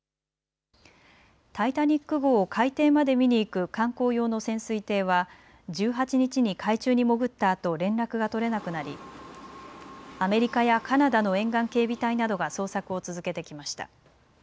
タイタニック号を海底まで見に行く観光用の潜水艇は１８日に海中に潜ったあと連絡が取れなくなりアメリカやカナダの沿岸警備隊などが捜索を続けてきました。